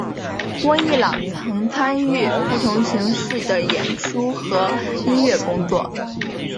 温逸朗曾参与不同形式的演出和音乐工作。